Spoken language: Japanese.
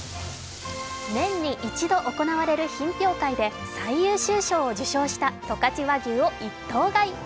年に一度行われる品評会で最優秀賞を受賞した十勝和牛を一頭買い。